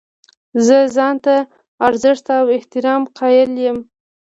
زه ځان ته د ارزښت او احترام قایل یم.